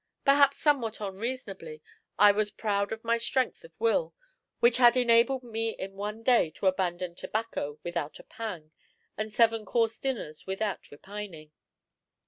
Perhaps somewhat unreasonably, I was proud of my strength of will, which had enabled me in one day to abandon tobacco without a pang, and seven course dinners without repining.